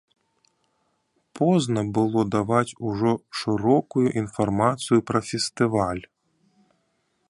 Позна было даваць ужо шырокую інфармацыю пра фестываль.